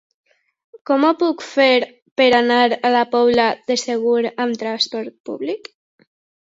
Com ho puc fer per anar a la Pobla de Segur amb trasport públic?